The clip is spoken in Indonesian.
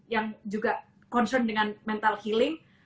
yang juga concern dengan mental healing